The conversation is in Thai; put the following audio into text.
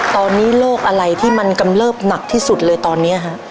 ตอนนี้โรคอะไรที่มันกำเริบหนักที่สุดเลยตอนนี้ฮะ